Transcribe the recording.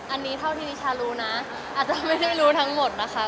อันนี้เท่าที่วิชารู้นะอาจจะไม่ได้รู้ทั้งหมดนะคะ